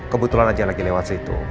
kebetulan aja lagi lewat situ